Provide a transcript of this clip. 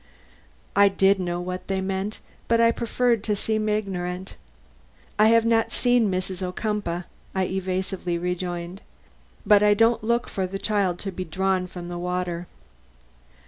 I did know what they meant, but I preferred to seem ignorant. "I have not seen Mrs. Ocumpaugh," I evasively rejoined. "But I don't look for the child to be drawn from the water."